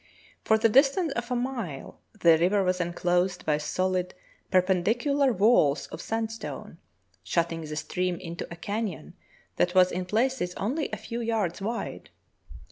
For the distance of a mile the river was enclosed by solid, perpendicular walls of sand stone, shutting the stream into a canyon that was in places only a few yards wide.